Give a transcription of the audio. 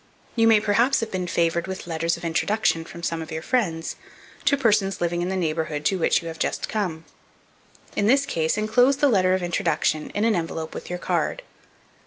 YOU MAY PERHAPS HAVE BEEN FAVOURED with letters of introduction from some of your friends, to persons living in the neighbourhood to which you have just come. In this case inclose the letter of introduction in an envelope with your card.